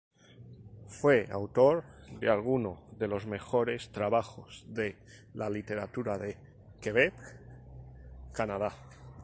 Fue autor de algunos de los mejores trabajos de la literatura de Quebec, Canadá.